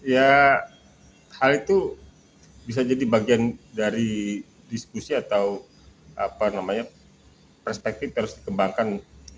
ya hal itu bisa jadi bagian dari diskusi atau perspektif harus dikembangkan